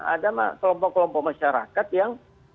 ada kelompok kelompok masyarakat yang